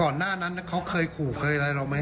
ก่อนหน้านั้นเขาเคยขู่เคยอะไรหรือไม่